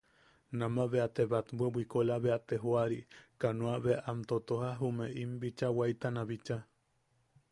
Nama bea te batwe bwikola bea te joari, kanoa bea am totoja jume, im bicha waitana bicha.